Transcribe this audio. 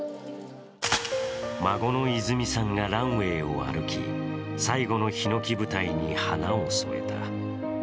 孫の泉さんがランウエーを歩き最後のひのき舞台に花を添えた。